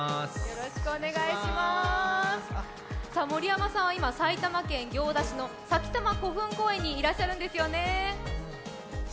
森山さんは今、埼玉県行田市のさきたま古墳公園にいらっしゃるんですよね。